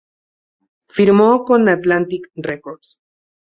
Firmó con Atlantic Records.